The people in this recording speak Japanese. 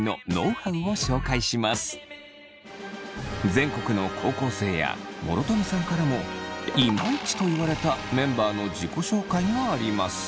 全国の高校生や諸富さんからもイマイチと言われたメンバーの自己紹介があります。